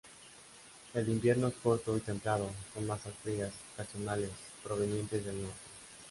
El invierno es corto y templado, con masas frías ocasionales provenientes del norte.